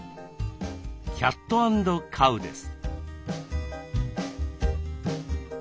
「キャット＆カウ」です。